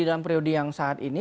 dalam periode yang saat ini